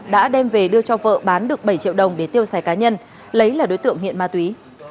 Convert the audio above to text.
đã đem về đưa cho vợ bán được bảy triệu đồng để tiêu xài cá nhân lấy là đối tượng nghiện ma túy